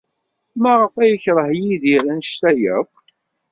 Maɣef ay yekṛeh Yidir anect-a akk?